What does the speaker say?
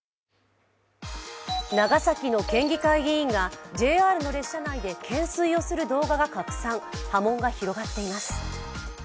長崎の県議会議員がＪＲの列車内で懸垂をする動画が拡散、波紋が広がっています。